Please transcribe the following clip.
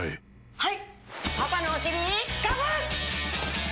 はい。